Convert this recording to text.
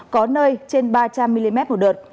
có nơi trên ba trăm linh mm một đợt